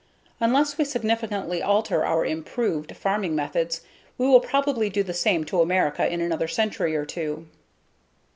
Unless we significantly alter our "improved" farming methods we will probably do the same to America in another century or two.